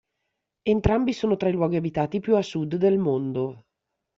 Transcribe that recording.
Entrambi sono tra i luoghi abitati più a sud del mondo.